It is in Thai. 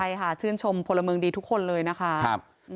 ใช่ค่ะชื่นชมพลเมืองดีทุกคนเลยนะคะ